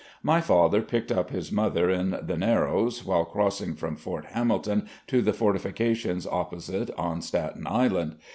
My father picked up his mother in the "Narrows" while crossing from Fort Hamilton to the fortifications opposite on Staten Island.